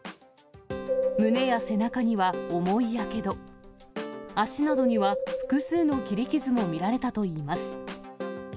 胸や背中には重いやけど、足などには複数の切り傷も見られたといいます。